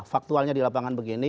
faktualnya di lapangan begini